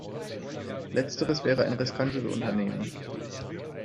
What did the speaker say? Letzteres wäre ein riskantes Unternehmen.